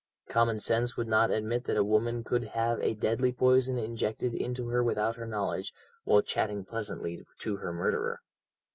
Common sense would not admit that a woman could have a deadly poison injected into her without her knowledge, while chatting pleasantly to her murderer.